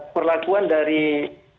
perlakuan dari ppkm